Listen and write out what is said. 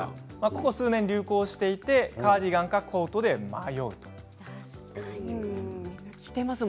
ここ数年、流行していたカーディガンかコートかで迷うそうです。